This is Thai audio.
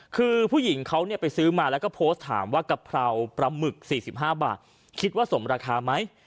คือผู้หญิงเขาไปซื้อมาแล้วก็โพสต์ถามว่ากะเพราปลาหมึก๔๕บาทคิดว่าสมราคาไหม